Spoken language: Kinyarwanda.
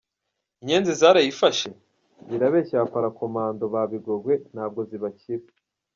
Inyenzi zirayifashe? Zirabeshya abaparakomando ba Bigogwe ntabwo zibakira.